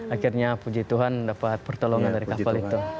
akhirnya puji tuhan dapat pertolongan dari kapal itu